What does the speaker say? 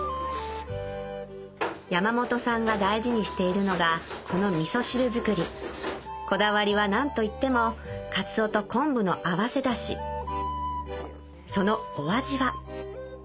山本さんが大事にしているのがこのみそ汁作りこだわりは何といってもかつおと昆布の合わせだしそのお味は？